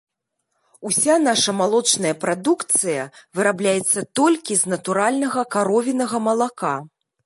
Уся наша малочная прадукцыя вырабляецца толькі з натуральнага каровінага малака.